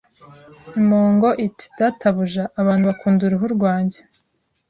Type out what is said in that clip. Impongo iti databuja, abantu bakunda uruhu rwanjye